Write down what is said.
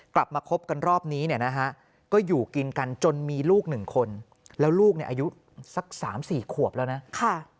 กลับมาคบกันรอบนี้ก็อยู่กินกันจนมีลูกหนึ่งคนแล้วลูกอายุสัก๓๔ขวบแล้วนะ